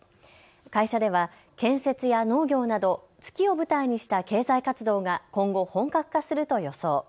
会社では建設や農業など月を舞台にした経済活動が今後、本格化すると予想。